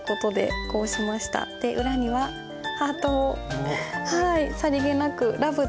で裏にはハートをさりげなく「ＬＯＶＥ」と。